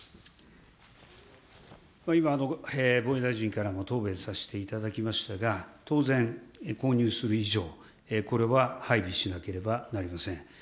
今、防衛大臣からも答弁させていただきましたが、当然、購入する以上、これは配備しなければなりません。